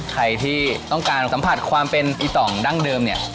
ใครที่ต้องการสัมผัสความเป็นอีต่องดั้งเดิมเนี่ย